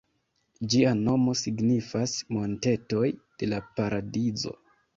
Ĝia nomo signifas "montetoj de la paradizo".